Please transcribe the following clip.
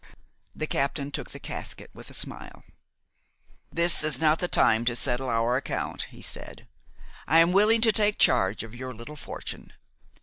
The captain took the casket with a smile. "This is not the time to settle our account," he said; "I am willing to take charge of your little fortune.